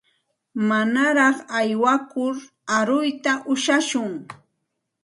Manaraq aywakur aruyta ushashun.